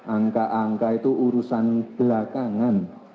angka angka itu urusan belakangan